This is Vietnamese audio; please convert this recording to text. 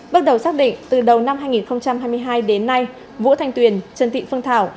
bước đầu xác định từ đầu năm hai nghìn hai mươi hai đến nay vũ thanh tuyền trần thị phương thảo